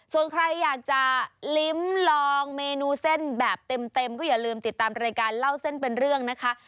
ส่วนใครอยากจะลิ้มลองเมนูเส้นแบบเต็มก็อย่าลืมติดตามรายการเล่าเส้นเป็นเรื่องนะคะ